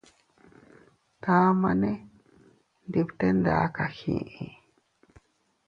Tamane ndi bte nda kagii.